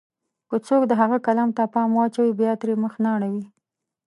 که څوک د هغه کلام ته پام واچوي، بيا ترې مخ نه اړوي.